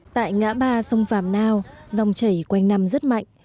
tại ngã ba sông vàm nao dòng chảy quanh năm rất mạnh